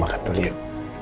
kita makan dulu yuk